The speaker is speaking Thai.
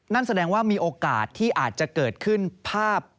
นั่นแสดงว่ามีโอกาสที่อาจจะเกิดขึ้นภาพ